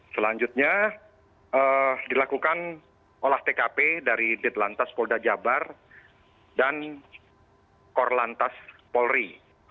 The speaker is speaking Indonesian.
selanjutnya dilakukan olah tkp dari ditlantas polda jabar dan korlantas polri